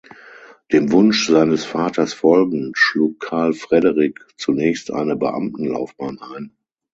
Dem Wunsch seines Vaters folgend schlug Carl Fredrik zunächst eine Beamtenlaufbahn ein.